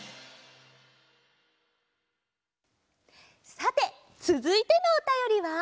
さてつづいてのおたよりは。